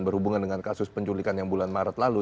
berhubungan dengan kasus penculikan yang bulan maret lalu